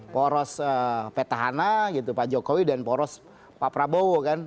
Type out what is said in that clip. poros petahana pak jokowi dan poros pak prabowo kan